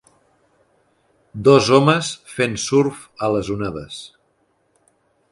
Dos homes fent surf a les onades.